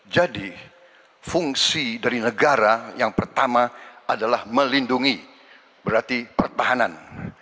jadi fungsi dari negara yang pertama adalah melindungi berarti pertahanan